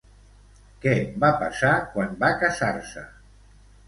Què va passar quan va casar-se?